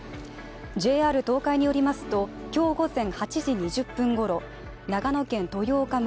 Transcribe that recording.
ＪＲ東海によりますと今日午前８時２０分ごろ、長野県豊丘村